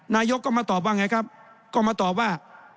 นายกก็มาตอบว่าไงครับก็มาตอบว่า